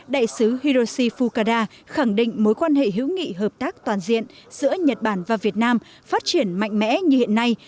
đại sứ hiroshi fukara khẳng định mối quan hệ hữu nghị hợp tác toàn diện giữa nhật bản và việt nam phát triển mạnh mẽ như hiện nay